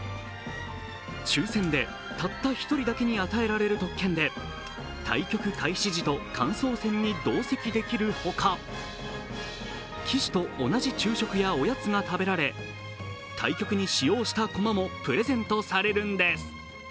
抽選でたった１人だけに与えられる特権で対局開始時と感想戦に同席できるほか棋士と同じ昼食やおやつが食べられ対局に使用した駒もプレゼントされるんです。